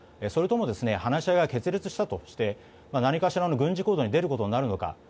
それとも話し合いが決裂して何かしらの軍事行動に出ることになるのか